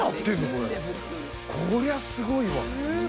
こりゃすごいわ。